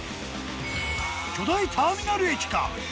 巨大ターミナル駅か？